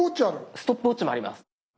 ストップウォッチもあります。